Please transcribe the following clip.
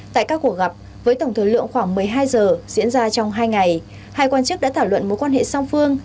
tại các cuộc gặp với tổng thời lượng khoảng một mươi hai giờ diễn ra trong hai ngày hai quan chức đã thảo luận mối quan hệ song phương